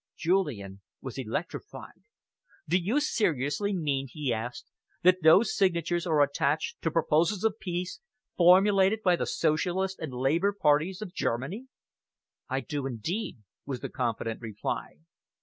Julian was electrified. "Do you seriously mean," he asked, "that those signatures are attached to proposals of peace formulated by the Socialist and Labour parties of Germany?" "I do indeed," was the confident reply.